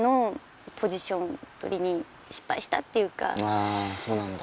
あぁそうなんだ。